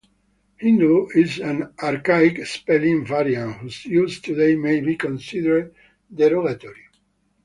Hindoo is an archaic spelling variant, whose use today may be considered derogatory.